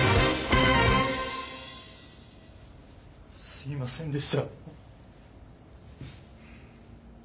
すみませんでした。